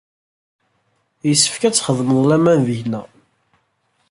Yessefk ad txedmeḍ laman deg-neɣ.